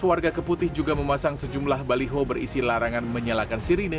warga keputih juga memasang sejumlah baliho berisi larangan menyalakan sirine